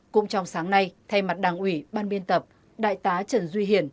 cũng trong sáng nay thay mặt đảng ủy ban biên tập đại tá trần duy hiển